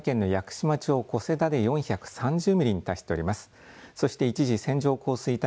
現在、鹿児島県の屋久島町小瀬田で４３０ミリに達しております。